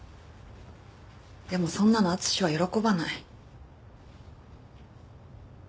でもそんなの敦は喜ばない。